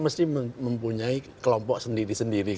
mesti mempunyai kelompok sendiri sendiri